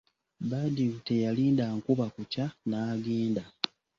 Badru teyalinda nkuba kukya n'agenda.